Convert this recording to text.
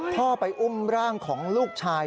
พ่อไปอุ้มร่างของลูกชาย